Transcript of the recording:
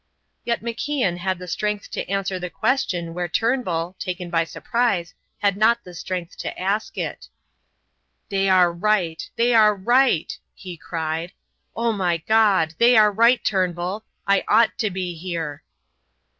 Yet MacIan had the strength to answer the question where Turnbull, taken by surprise, had not the strength to ask it. "They are right, they are right!" he cried. "O my God! they are right, Turnbull. I ought to be here!"